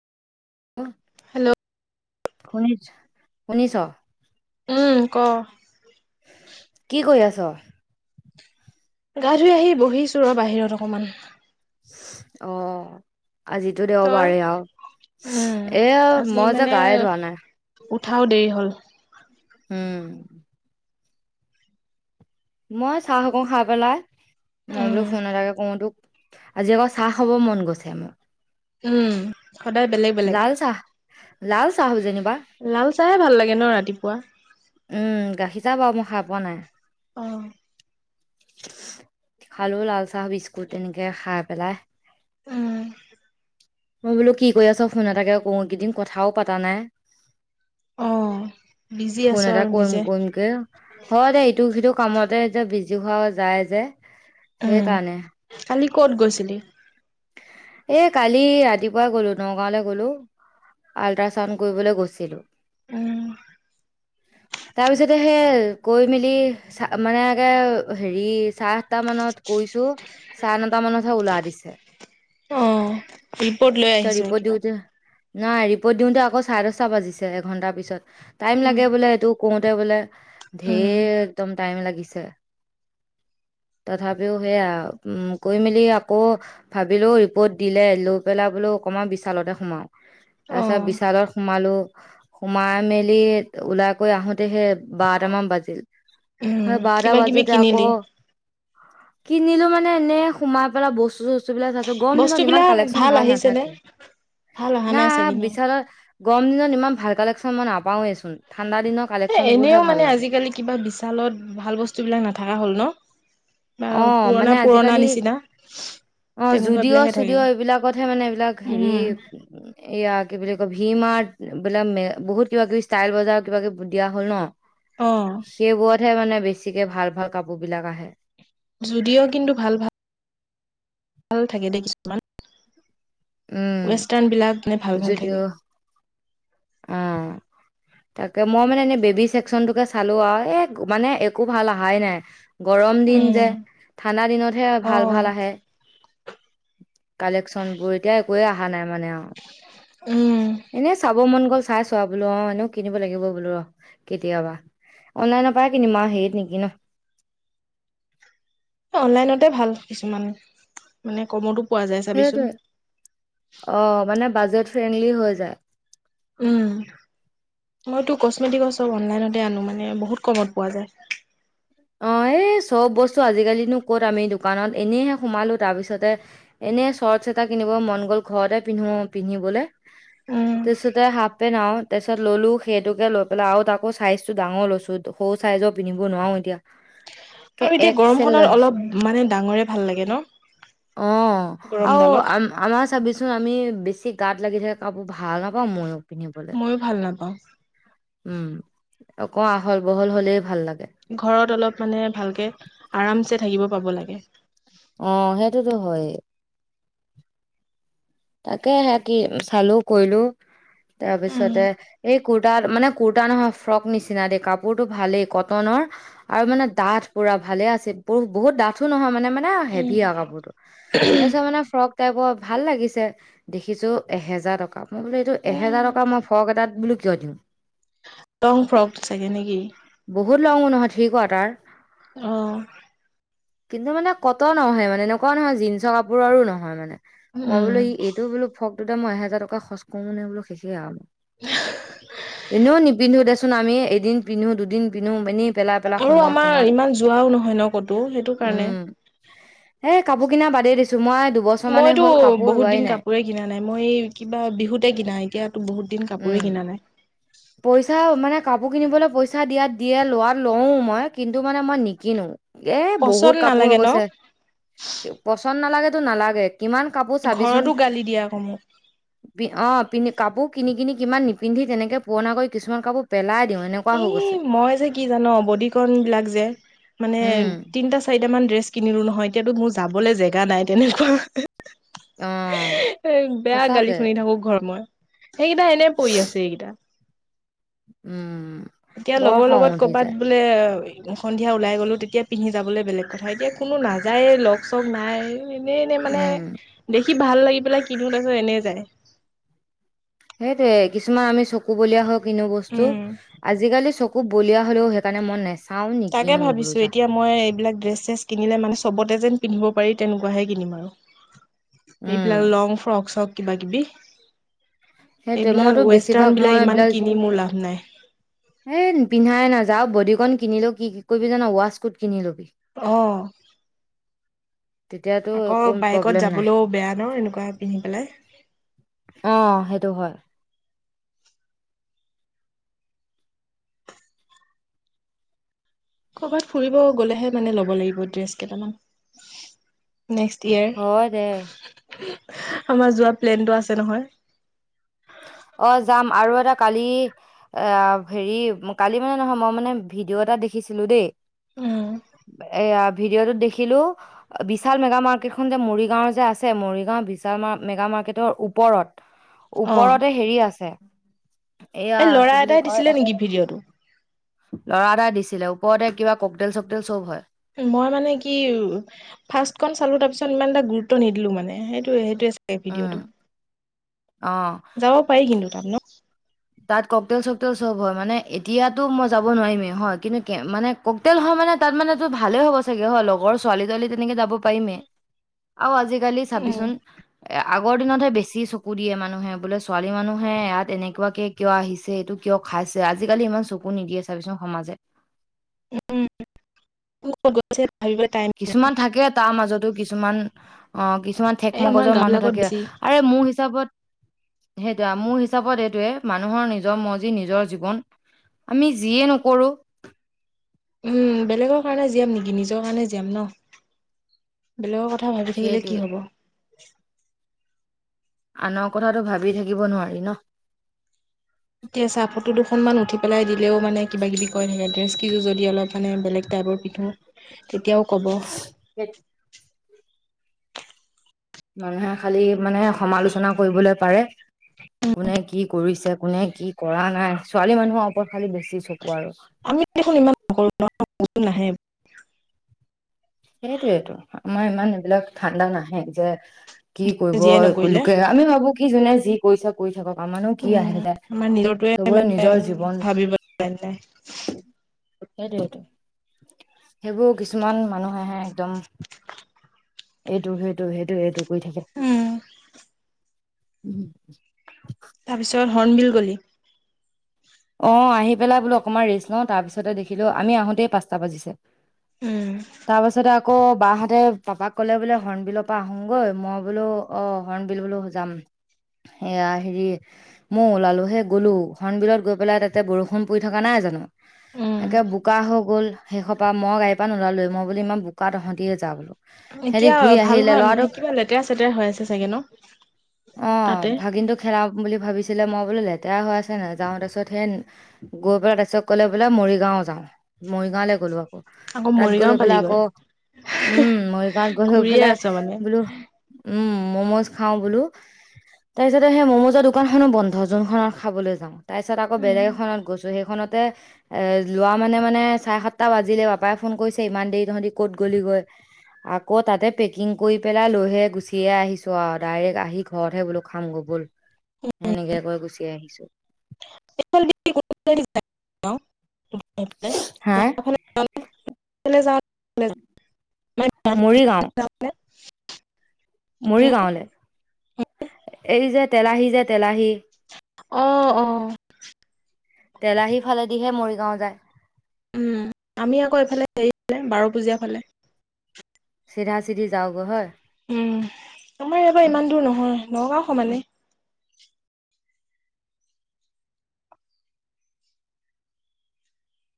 উম। Hello. শুনিছ, শুনিছ? উমঁ, ক? কি কৰি আছ? গা ধুই আহি বহিছো আৰু বাহিৰত অকণমান। অহ', আজি- টো তই দেওবাৰে আৰু, উম এয়া আজি মই যে মানে গায়ে ধোৱা নাই। উঠাও দেৰি হ'ল। উমঁ। মই চাহকো খাই পেলাই, মই উম বোলো ফোন এটাকে কৰো তোক। আজি আকৌ চাহ খাব মন গৈছে মোৰ। উমঁ, সদায় বেলেগ-বেলেগ। লাল চাহ লা'ল চাহ যেনিবা। লা'ল চাহে ভাল লাগে ন ৰাতিপুৱা। উমঁ, গাখীৰ চাহ বাও মই খাই পোৱা নাই। উম। খালো লাল চাহ, বিস্কুট এনেকে খাই পেলাই। উম। মই বোলো কি কৰি আছ ফোন এটাকে কওঁ, কেইদিন কথাও পতা নাই। অ বিজি ফোন আছো এটা আৰু কৰিম নিজে কৰিম কে- হয় দে ইটো সিটো কামতে এতিয়া বিজি হোৱা যায় যে সেই উম কাৰণে। কালি কত গৈছিলি? এ কালি ৰাতিপুৱাই গলো নগাঁওলৈ গলো, আল্ট্ৰাচাউণ্ড কৰিবলৈ গৈছিলোঁ। উম। তাৰপিছতে হেই গৈ মেলি- চা মানে হেৰি চাৰে আঠটা মানত গৈইছো- চাৰে নটা মানতহে ওলাই দিছে। অঁ। ৰিপৰ্টলে- পিছত ৰিপৰ্ট দিওঁতে, নাই ৰিপৰ্ট দিওঁতে আকৌ চাৰে দশটা বাজিছে এঘণ্টাৰ পিছত। টাইম উম লাগে বোলে এইটো কওঁতে বোলে, উম ধেৰ একদম টাইম লাগিছে। তথাপিও সেয়া কৈ মেলি আকৌ- ভাবিলো ৰিপৰ্ট দিলে, লৈ পেলাই বোলো অকণমান বিশালতে সোমাওঁ। অ তাৰ পিছত বিশালত সোমালো। সোমাই মেলি ওলাই কৈ আহোতেহে বাৰটামান বাজিল। উম পিছত বাৰতা কিবা কিবি বাজোতে কিনিলি আকৌ- কি কিনিলো মানে এনে সোমাই পেলাই বস্তু চস্তু বিলাক- গৰম দিনত ইমান বস্তুবিলাক কালেকচন ভাল আহিছেনে নাথাকে ভাল অহা না নাই চাগে ন বিশালত- গৰম দিনত ইমান ভাল কালেকশ্যন মই নাপাওঁৱেই চোন, ঠাণ্ডা দিনত- এ এনেও মানে আজিকালি কিবা বিশালত ভাল বস্তু বিলাক নাথকা হ'ল ন। বা অ পুৰণা পুৰণা নিচিনা। অঁ তেনেকুৱা যুদিঅ' বিলাকহে থাকে চুদিঅ' এইবিলাকতহে মানে এইবিলাক উম হেৰি- এয়া কি বুলি কয় ভি মাৰ্ট বিলাক বহুত কিবা কিবি ষ্টাইল বজাৰ কিবা কিবি দিয়া হল ন। অঁ। সেইবোৰতহে মানে বেছিকে ভাল ভাল কাপোৰ বিলাক আহে। যুদিঅ কিন্তু ভাল ভাল- ভাল থাকে দেই কিছুমান উম, ৱেষ্টাৰ্ণ বিলাক মানে ভাল ভাল থাকে। অঁ। তাকে মই মানে এনেই বেবী চছেকচনটোকে চালো আৰু এ মানে একো ভাল অহাই নাই। গৰম দিন উম যে, ঠাণ্ডা দিনতহে অ ভাল ভাল আহে। কালেকচন বোৰ। এতিয়া একোৱে অহা নাই মানে আৰু। উম। এনে চাব মন গ'ল চাই চোৱা, বোলো অঁ এনেও কিনিব লাগিব বোলো ৰ কেতিয়াবা। অনলাইনৰ পায় কিনিম আ হেইত নিকিনো। অনলাইনতে ভাল কিছুমান মানে কমতো- পোৱা যায় চাবিচোন সেইটোৱে অঁ মানে বাজেট ফ্ৰেণ্ডলি হৈ যায়। উম মইতো কচ্মেটিকৰ চব অনলাইনতে আনো মানে বহুত কমত পোৱা যায়। অঁ এই চব বস্তু আজিকালিনো ক'ত আমি দোকানত এনেইহে সোমালো তাৰপিছতে- এনেই চৰ্টচ এটা কিনিব মন গ'ল ঘৰতে পিন্ধো পিন্ধিবলৈ। উম তাপিছতে হাফপেন্ত আ- তাৰপিছত ল'লোঁ সেইটোকে লৈ পেলাই আৰু তাকো চাইজটো ডাঙৰ লৈছোঁ, সৰু ছাইজৰ পিন্ধিব নোৱাৰোঁ এতিয়া। কে আৰু এতিয়া এক্সেল লৈ গৰমখনত আহিছো অলপ মানে ডাঙৰে ভাল লাগে ন। অ আৰু গৰমডালত আম। আমাৰ চাবিচোন আমি বেছি গাত লাগি থাকে কাপোৰ ভাল নাপাওঁ ময়ো পিন্ধিবলৈ। ময়ো ভাল নাপাওঁ উম অক আহল বহল হ'লেই ভাল লাগে। ঘৰত অলপ মানে ভালকে আৰাম চে থাকিব পাব লাগে। অ সেইটোতো হয় এ। তাকে সে কি চালো কৰিলো উম। তাৰপিছতে এই কোৰ। তাৰ মানে কুৰ্তা নহয় ফ্ৰক নিচিনা দেই কাপোৰতটো ভালেই কটনৰ। আৰু মানে ডাঠ পুৰা ভালে আছে বত বহুত ডাঠ। থো নহয় মানে মানে উম, হেভি আৰু কাপোৰতো তাৰপিছত মানে ফ্ৰক টাইপৰ ভাল লাগিছে। দেখিছো এহেজাৰ টকা মই বোলো এইটো উম। এহেজাৰ টকা মই ফ্ৰৰক এটাত বোলো কিয় দিওঁ। লং ফ্ৰক চাগে নেকি। বহুত লঙো নহয় ঠিকোৱাটাৰ। অ। কিন্তু মানে কতন হে নহয় মানে এনেকুৱা নহয় জীন্সৰ কাপোৰ আৰু নহয় মানে মই উম। বোলো সি। এইটো বোলো। পকটোতে মোৰ এহেজাৰ টকা খৰচ কৰো নে বোলো শেষে আৰুল এনেও নিপিন্ধো দে চু। টোন আমিয়ে এদিন পিন্ধো দুদিন পিন্ধো এনেই। পেলাই পেলাই আৰু সোমোৱা আমাৰ সোমোৱা ইমান যোৱাও নহয় ন ক'তো সেইটো কাৰণে। উম। এ কাপোৰ কিনা বাদেই দিছো মই দুব। মইতো বহুত দিন কাপো। কাপোৰে কিনা নাই মই এই কিবা বিহুতে কিনা এতিয়াতো বহুত দিন উম কাপোৰেই কিনা নাই। পইচা মানে কাপোৰ কিনিবলৈ পইচা দিয়াত দিয়ে লোৱত লও মই কিন্তু মানে মই নিকিনো। এ পচন্দ বহুত কাপোৰ নালাগে হৈ ন? গৈছে পচন্দ নালাগেতো নালাগে। কিমান কাপোৰ চাবিচোন। ঘৰতো গালি দিয়ে আকৌ মোক। অ পিন্ধি কাপোৰ কিনি কিনি কিমান নিপিন্ধি তেনেকে পুৰণ কৰি কিছুমান কাপোৰ পেলাই। দিওঁ এনেকুৱা হৈ এই গৈছে মই যে কি জানো বদিকন বিলাক যে মানে উম তিনটা। চাৰিট মান ড্ৰেছ কিনিলো নহয় এতিয়াতো মোৰ যাবলৈ জেগা নাই তেনেকুৱা। অ এ বেয়া গালি সঁচাকে শুনি থাকো ঘৰত মই। সেইকেইটা এনে পৰি আছে এইকেইটা। উম। এতিয়া বৰ লগৰ খং লগত উঠি কৰ'বাত যায় বোলে। সন্ধিয়া ওলাই গ'লো তেতিয়া পিন্ধি যাবলৈ বেলেগ কথা এতিয়া কোনো নাযায় লগ চক নাই। এনেই এনেই মানে উম দেখি ভাল লাগি পেলাই কিনো তাৰ পিছত এনেই যায়। সেইটোয়ে কিছুমান আমি চকু বলিয়া হও কিনো বস্তু উম আজিকালি চকু। একো বলিয়া হ'লেও সেইকাৰণে মন নাইছে। তাকে ভাবিছো এতিয়া। মই এইবিলাক ড্ৰেছ ছেচ কিনিলে মানে চবতে যেন পিন্ধিব পাৰি তেনেকুৱাহে কিনিম আৰু। উম এইবিলাক লং ফ্ৰক চক কিবা কিবি। সেইটোয়ে এইবিলাক মইতো বেছিভাগ ৱেষ্টাৰ্ণ মই বিলাক ইমান এইবিলাক কিনি মোৰ লাভ নাই। এ পিন্ধাই নাযাও বডীণ কিনিলো কি কৰিবি জান ৱাচ কোট কিনি লবি। অ। তেতিয়াতো আকৌ একো বাইকত প্ৰব্লেম নাই যাবলৈও বেয়া ন এনেকুৱা পিন্ধি পেলাই। অঁ সেইটো হয়। কৰ'বাত ফুৰিব গ'লেহে মানে ল'ব লাগিব ড্ৰেছ কেইটামান। নেক্সট হয় দে ইয়েৰ, আমাৰ যোৱা প্লেনটো আছে নহয়। অ যাম আৰু এটা কালি। এ হেৰি কালি মানে নহয় মই মানে ভিডিঅ' এটা দেখিছিলো দেই। উম, এয়া ভিডিঅ'টোত দেখিলো। বিশাল মেগা মাৰ্কেটখনন যে মৰিগাঁওৰ যে আছে মৰিগাঁও বিশাল মেগা মাৰ্কেটৰ ওপৰত। অ' ওপৰতে হেৰি আছে, এয়া এই ল'ৰা কি বুলি এটাই দিছিলে কয়। নেকি ভিডিঅ'টো ল'ৰা এটা দিছিলে ওপৰতে কিবা ককডেল চকদেল চব হয়। মই মানে কি ফাৰ্ষ্টখন চালো তাৰ পিছত ইমান এটা গুৰুত্ব নিদিলো মানে সেইটোৱে সেইটোৱে। উম ভিডিঅ'টো, অ যাব পাৰি কিন্তু তাত ন। তাত ককটেল চকটেল চব হয় মানে এতিয়াতো মই যাব নোৱাৰিমেই হয় কিন্তু কে মানে। ককতেল হয় মানে তাত মানো ভালেই হ'ব চাগে হয় লগৰ ছোৱালী তোৱালী তেনেকে যাব পাৰিমেই। আৰু আজিকালি উম, চাবিচোন। এ আগৰ দিনতহে বেছি চকু দিয়ে মানুহে বোলে ছোৱালী মানুহে ইয়াত এনেকুৱা। কিয় আহিছে এইটো কিয় খাইছে আজিকালি ইমান চকু নিদিয়ে চাবিছোন সমাজে। উম, গৈছে ভাবিব টাইম। কিছুমান থাকে তাৰ মাজতো কিছুমান, অ কিছুমান ঠেক এই আমাৰ মগজৰ মানুহ গাঁওবিলাকত থাকে। বেছি আৰে মোৰ হিচাপত। সেইটো মোৰ হিচাপত এইটোয়ে মানুহৰ নিজৰ মজি নিজৰ জীৱন। আমি যিয়ে নকৰোঁ। উম বেলেগৰ কাৰণে জীয়াম নেকি নিজৰ কাৰণে জীয়াম ন। বেলেগৰ কথা ভাবি থাকিলে কি সেইটোৱে হব। আনৰ কথাতটো ভাবি থাকিব নোৱাৰি ন। এতিয়া চাহ ফটো দুখনমান উঠি পেলাই দিলেও মানে কিবা কিবি ক থাকে ড্ৰেছ কেইযোৰ যদি অলপ মানে বেলেগ টাইপৰ পিন্ধোঁ তেতিয়াও ক'ব। স [inaudible] মানুহে খালি মানে সমালোচনা কৰিবলৈ পাৰে, কোনে কি। কৰিছে কোনে কি কৰা নাই ছোৱালী মানুহৰ ওপৰত খালি বেছি চকু আৰু। আমি দেখোন ইমান নকৰো ন। অচোন আহে। সেইটোয়েতো আমাৰ ইমান এইবিলাক ধাণ্ডা নাহে যে। কি যিয়ে কৰিব নকৰিলে লোকে আমি ভাবো কি জোনোই যি কৰিছে কৰি থাকক আৰু কি উম আহে, আমাৰ নিজৰটোৱে চবৰে মানে নিজৰ জীৱন। ভাবিব লাইন নাই সেইটোইটো, সেইবোৰ কিছুমান মানুহেহে একদম। এইটো সেইটো সেইটো এইটো কৰি থাকে। উম তাৰপিছত হৰ্ণবিল গলি। অঁ আহি পেলাই বোলো অকণমান ৰেষ্ট লওঁ তাৰপিছতে দেখিলোঁ আমি আহোতেই পাঁচটা বাজিছে। উম তাৰ পাছতে আকৌ বাহঁতে পাপাক ক'লে বোলে হৰ্ণ বিলৰ পৰা আহোঁগৈ মই বোলো অ হৰ্ণ বিল বোলো যাম। এয়া হেৰি, মই ওলালোহে গ'লো হণবিলত গৈ পেলাই তাতে বৰষুণ পৰি থকা নাই জানো, উম একে বোকা হৈ গ'ল। শেষৰ পৰা মই গাড়ী পৰা নোলালোঁ মই বোলো ইমান বোকাত তহঁতিয়ে যা বোলো। সিহঁতি এতিয়া ঘূৰি ভাল আহিলে হয় ল'ৰাটোক কিবা লেতেৰা চেতেৰা হৈ আছে চাগে ন, অ', তাতে। ভাগিনটো খেলাম বুলি ভাবিছিলে মই বোলো লেতেৰা হৈ আছে নাযাওঁ তাৰপিছত উঠে গৈ পেলাই তাৰপিছত ক'লে বোলে মৰিগাঁও যাওঁ মৰিগাঁওলৈ গ'লো আকৌ। আকৌ তাত গ লৈ মৰিগাঁও পেলাই পালিগৈ আকৌ, উম মৰিগাঁৱত গ লৈ ঘূৰিয়ে পেলাই আছ মানে বোলো। উম মমোজ খাও বোলো তাৰ পিছত সেই মমোজৰ দোকান খননো বন্ধ যোনখনত খাবলৈ যাওঁ তাৰ পিছত আকৌ উম বেলেগ এখনত গৈছো চ' সেইখনতে এ লোৱা মানে মানে চাৰে সাতটা বাজিলে পাপাই ফোন কৰিছে ইমান দেৰি টহতি ক'ত গ'লিগৈ আকৌ তাতে পেকিং কৰি পেলাই লৈহে গুচিয়ে আহিছো আৰু ডাইৰেক্ট আহি ঘৰতহে বোলো খাম গ' বোল সেনেকে কৈ গুচি আহিছো [unintelligible] এইফালে হা ৰাস্তাৰ ফালে যাওঁ [unintelligible] অ', মৰিগাঁও মৰিগাঁৱলৈ এই যে তেলাহি যে তেলাহি অ অ তেলাহী ফালেদিহে মৰিগাঁও যায় উম, আমি আকৌ এইফালে হেৰিলে বাৰ পূজীয়া ফালে চিধা চিধি যাওঁগৈ হয় উম আমাৰ ইয়াৰ পৰা ইমান দূৰ নহয় নগাঁও সমানে